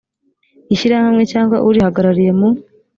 ishyirahamwe cyangwa urihagarariye mu